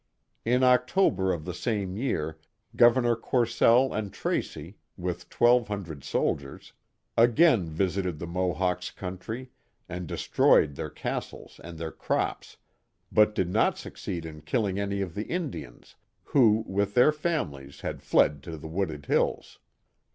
In October of the same year Governor Courcelle and Tracey, with twelve hundred soldiers, again visited the Mo hawks* country, and destroyed their castles and their crops, but did not succeed in killing any of the Indians, who, with their families had fled to the wooded hills.